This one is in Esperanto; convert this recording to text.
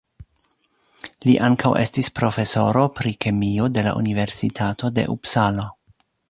Li ankaŭ estis profesoro pri kemio de la universitato de Upsalo.